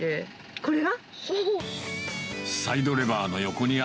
これが？